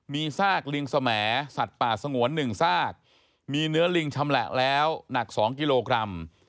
มีซากลิงสมสัตว์ป่าสงวน๑ซากมีเนื้อลิงชำแหละแล้วหนัก๒กิโลกรัม